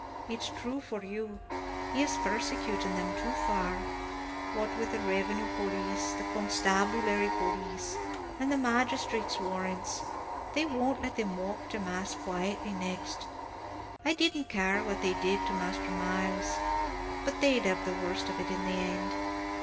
It's true for you; he is persecuting them too far; what with revenue police, constabulary police, and magistrates' warrants, they won't let them walk to mass quietly next. I didn't care what they did to Master Myles, but they'd have the worst of it in the end."